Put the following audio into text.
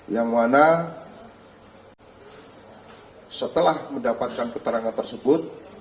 yang mana setelah mendapatkan keterangan tersebut